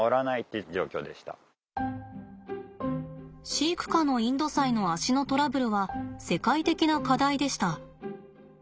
飼育下のインドサイの足のトラブルは世界的な課題でした。